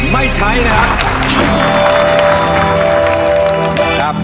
ไม่ใช้นะครับ